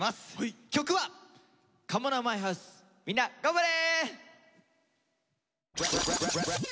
みんな頑張れ！